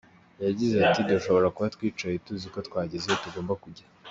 Yagize ati “Dushobora kuba twicaye tuzi ko twageze iyo tugomba kujya.